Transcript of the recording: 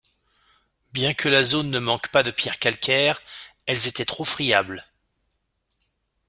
Bien que la zone ne manque pas de pierres calcaires, elles étaient trop friables.